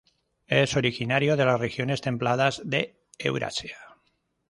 Es originario de las regiones templadas de Eurasia.